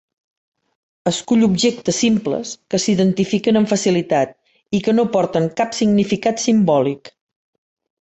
Escull objectes simples que s'identifiquen amb facilitat i que no porten cap significat simbòlic.